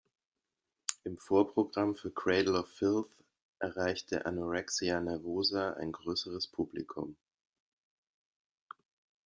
Im Vorprogramm für Cradle of Filth erreichte Anorexia Nervosa ein größeres Publikum.